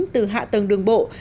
từ hạ tầng đường bộ